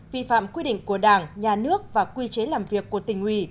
vi phạm quy định của đảng nhà nước và quy chế làm việc của tỉnh ủy